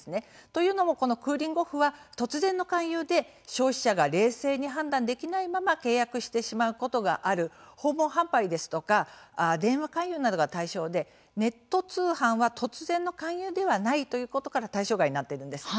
というのもこのクーリング・オフは突然の勧誘で消費者が冷静に判断できないまま契約してしまうことがある訪問販売ですとか電話勧誘などが対象でネット通販は突然の勧誘ではないということから対象外になっているんです。